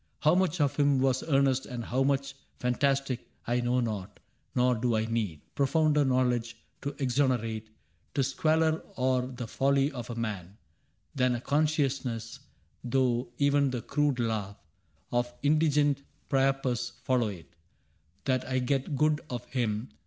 *^^ How much of him was earnest and how much Fantastic, I know not ; nor do I need Profounder knowledge to exonerate CAPTAIN CRAIG 39 / The squalor or the folly ofyA man Than a consciousness — though even the crude laugh Of indigent Priapus follow it — That I get good of him.